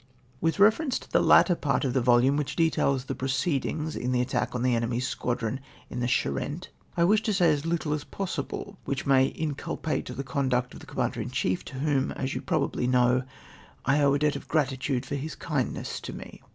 " With reference to the latter part of the volume which details the proceedings in the attack on the enemy's squadron in the Charente, I wish to say as little as possible which may inculpate the conduct of the Commander in chief, to whom, as you probably know, I owe a debt of gratitude for his kind ness to me.